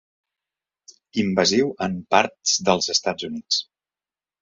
Invasiu en parts dels Estats Units.